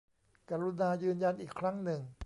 กรุณายืนยันอีกครั้งหนึ่ง